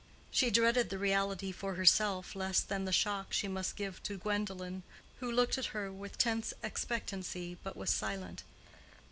She dreaded the reality for herself less than the shock she must give to Gwendolen, who looked at her with tense expectancy, but was silent.